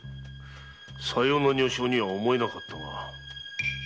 さような女性には思えなかったが。